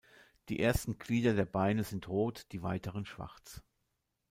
Die ersten Glieder der Beine sind rot, die weiteren schwarz.